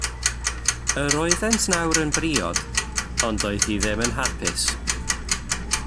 Yr oeddent nawr yn briod, ond doedd hi ddim yn hapus.